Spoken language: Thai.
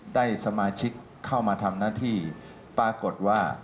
ได้สมาชิกเข้ามาทำหน้าที่ปรากฏว่า